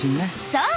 そう！